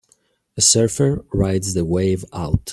A surfer rides the wave out.